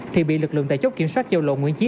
thì bị lực lượng tài chốc kiểm soát châu lộ nguyễn chiến